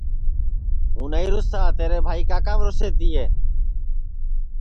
توں نائی روسا تیرے بھائی کاکام روسے تیے